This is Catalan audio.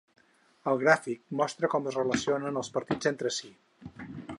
El gràfic mostra com es relacionen els partits entre si.